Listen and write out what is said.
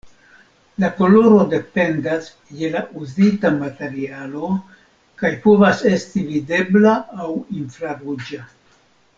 La koloro dependas je la uzita materialo, kaj povas esti videbla aŭ infraruĝa.